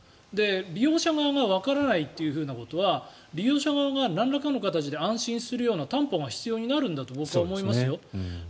利用者側がわからないということは利用者側がなんらかの形で安心するような担保が必要になるんだと僕は思いますよ。